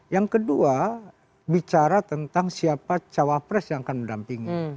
yang kedua bicara tentang siapa cawapres yang akan mendampingi